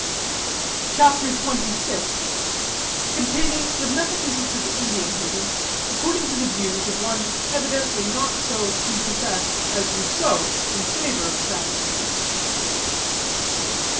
CHAPTER XXVI. CONTAINING THE METAPHYSICS OF INDIAN HATING, ACCORDING TO THE VIEWS OF ONE EVIDENTLY NOT SO PREPOSSESSED AS ROUSSEAU IN FAVOR OF SAVAGES.